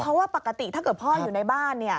เพราะว่าปกติถ้าเกิดพ่ออยู่ในบ้าน